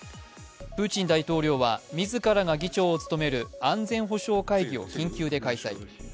プーチン大統領は自らが議長を務める安全保障会議を緊急で開催。